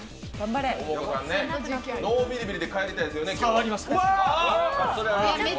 ノービリビリで帰りたいですよね。